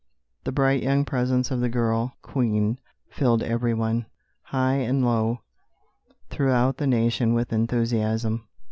The bright young presence of the girl Queen filled every one, high and low, throughout the nation with enthusiasm.